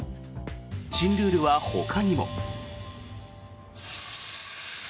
新ルールはほかにも。